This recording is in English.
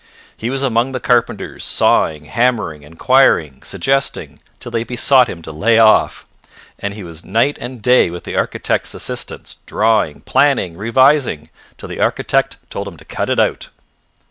He was among the carpenters, sawing, hammering, enquiring, suggesting, till they besought him to lay off. And he was night and day with the architect's assistants, drawing, planning, revising, till the architect told him to cut it out.